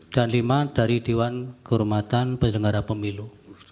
dan lima dari dewan kehormatan pendengara pemilu